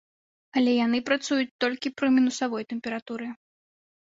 Але яны працуюць толькі пры мінусавой тэмпературы.